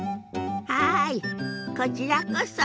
はいこちらこそ。